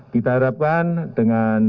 kita harapkan dengan